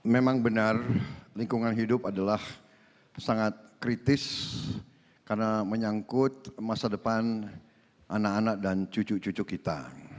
memang benar lingkungan hidup adalah sangat kritis karena menyangkut masa depan anak anak dan cucu cucu kita